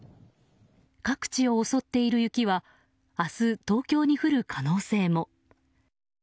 各地を襲っている雪は明日、東京にも降る可能性も。